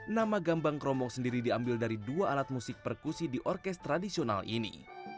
nama gambang kromong sendiri diambil dari dua alat musik perkusi di orkes tradisional ini